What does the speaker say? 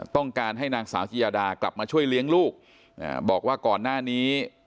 ต้องการให้นางสาวจิยาดากลับมาช่วยเลี้ยงลูกบอกว่าก่อนหน้านี้